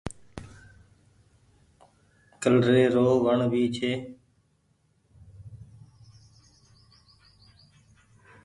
ڪلري رو وڻ ڀي ڇي۔